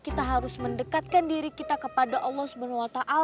kita harus mendekatkan diri kita kepada allah swt